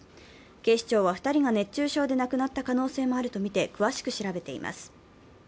警視庁は２人が熱中症で亡くなった可能性もあるとみて、詳しく調べています。